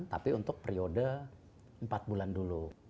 tapi untuk periode empat bulan dulu